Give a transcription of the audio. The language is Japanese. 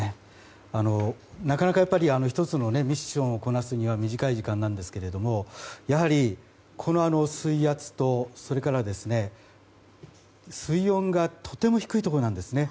なかなか１つのミッションをこなすには短い時間なんですけどやはり、この水圧と、それから水温がとても低いところなんですね。